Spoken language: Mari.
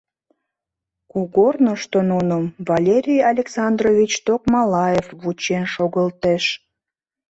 Кугорнышто нуным Валерий Александрович Токмалаев вучен шогылтеш.